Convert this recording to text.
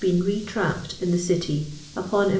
n retrapp»ed in the <'ity • upon ini